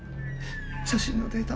「写真のデータ